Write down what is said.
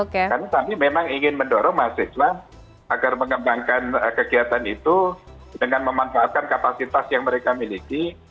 karena kami memang ingin mendorong mahasiswa agar mengembangkan kegiatan itu dengan memanfaatkan kapasitas yang mereka miliki